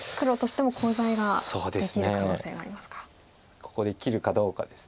ここで切るかどうかです。